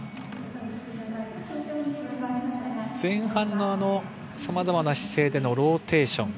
前半のさまざまな姿勢でのローテーション。